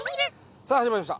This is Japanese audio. さあ始まりました